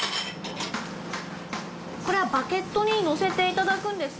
コレはバゲットにのせていただくんですか？